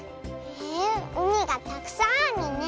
へえうみがたくさんあるね。